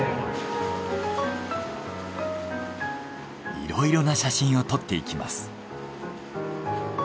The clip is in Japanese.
いろいろな写真を撮っていきます。